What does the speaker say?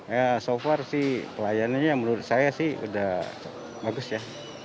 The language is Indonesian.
ya so far sih pelayanannya menurut saya sih udah bagus ya